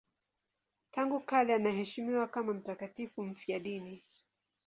Tangu kale anaheshimiwa kama mtakatifu mfiadini.